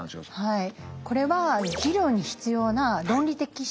はい。